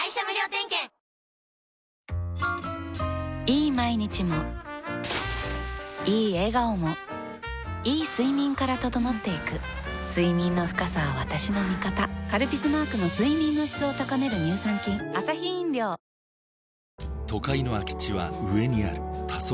いい毎日もいい笑顔もいい睡眠から整っていく睡眠の深さは私の味方「カルピス」マークの睡眠の質を高める乳酸菌参加人数